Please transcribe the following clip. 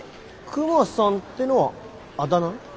クマさんってのはあだ名？